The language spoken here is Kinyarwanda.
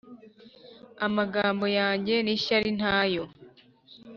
amagambo yanjye n'ishyari ntayo?